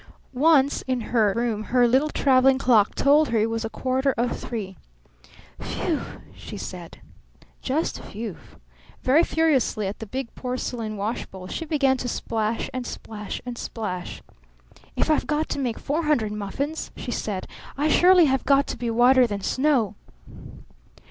Once in her room her little traveling clock told her it was a quarter of three. "Whew!" she said. Just "Whew!" Very furiously at the big porcelain washbowl she began to splash and splash and splash. "If I've got to make four hundred muffins," she said, "I surely have got to be whiter than snow!"